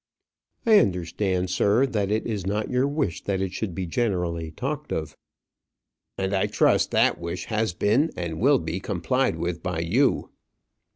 "I understand, sir, that it is not your wish that it should be generally talked of." "And I trust that wish has been, and will be complied with by you."